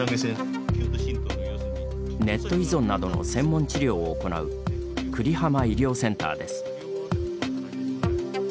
ネット依存などの専門治療を行う久里浜医療センターです。